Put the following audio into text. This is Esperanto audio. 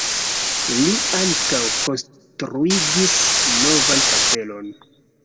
Li ankaŭ konstruigis novan kastelon.